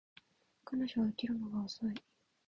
彼女は起きるのが遅い